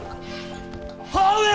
母上！